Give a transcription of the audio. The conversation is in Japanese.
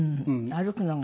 歩くのがね。